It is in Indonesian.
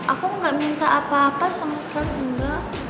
aku nggak minta apa apa sama sekali enggak